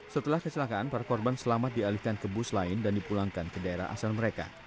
setelah kecelakaan para korban selamat dialihkan ke bus lain dan dipulangkan ke daerah asal mereka